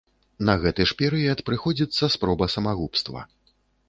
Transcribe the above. На гэты ж перыяд прыходзіцца спроба самагубства.